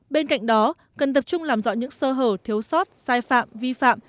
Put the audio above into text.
bên cạnh đó cần tập trung làm rõ những sơ hở thiếu sót sai phạm vi phạm